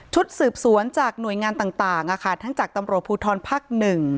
สืบสวนจากหน่วยงานต่างทั้งจากตำรวจภูทรภักดิ์๑